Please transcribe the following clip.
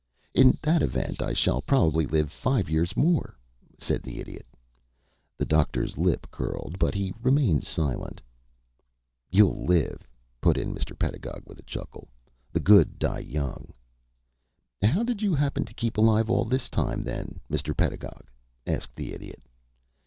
"In that event I shall probably live five years more," said the Idiot. The Doctor's lip curled, but he remained silent. "You'll live," put in Mr. Pedagog, with a chuckle. "The good die young." "How did you happen to keep alive all this time then, Mr. Pedagog?" asked the Idiot.